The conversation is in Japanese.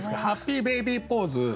ハッピーベイビーポーズ